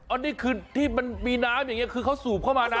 อันนี้คือที่มันมีน้ำอย่างนี้คือเขาสูบเข้ามานะ